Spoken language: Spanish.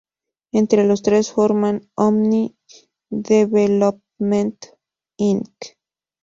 Entre los tres formaron "Omni Development, Inc.